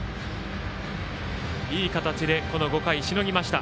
いい形で５回しのぎました。